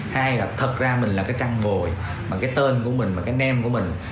hai là thật ra mình là cái trang mồi bằng cái tên của mình và cái name của mình